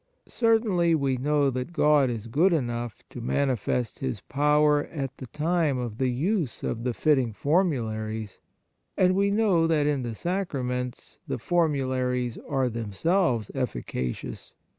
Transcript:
Certainly, we know that God is good enough to manifest His power at the time. of the use of the fitting formularies, and we know that in the Sacraments, the formularies are themselves efficacious.